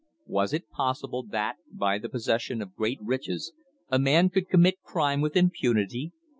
Was it possible, that, by the possession of great riches, a man could commit crime with impunity?